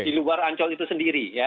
di luar ancol itu sendiri ya